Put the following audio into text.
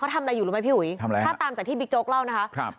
ทำอะไรอยู่รู้ไหมพี่อุ๋ยทำอะไรถ้าตามจากที่บิ๊กโจ๊กเล่านะคะครับ